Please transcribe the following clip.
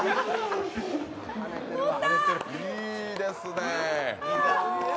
いいですね。